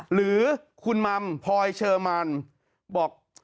หรือคุณมัมพลอยเชอร์มันบอก